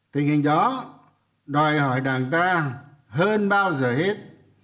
tình hình đó đòi hỏi đảng ta hơn bao giờ hết